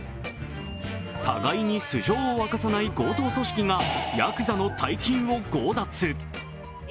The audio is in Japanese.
互いに素性を明かさない強盗組織がやくざの大金を強奪。